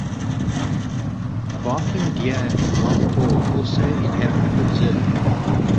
Barking deer and wild boar also inhabit the reserve.